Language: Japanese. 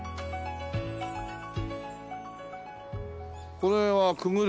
これはくぐる？